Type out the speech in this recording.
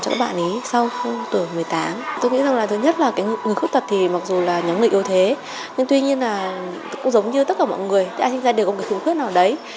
tôi nghĩ rằng là thứ nhất là người khuyết tật thì mặc dù là nhóm người yêu thế nhưng tuy nhiên là cũng giống như tất cả mọi người ai sinh ra đều có một cái khuyết nào đấy